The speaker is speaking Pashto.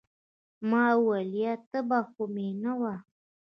ما وويل يه تبه خو مې نه وه.